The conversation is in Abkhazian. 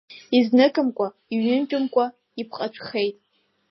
Изныкымкәа, иҩынтәымкәа иԥҟатәхеит.